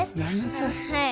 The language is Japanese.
はい。